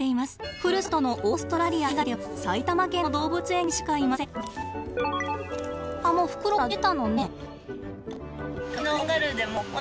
ふるさとのオーストラリア以外では埼玉県の動物園にしかいません。